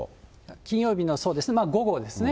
金曜日のそうです、まあ午後ですね。